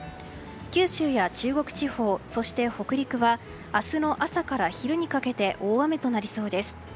九州や中国地方、そして北陸は明日の朝から昼にかけて大雨となりそうです。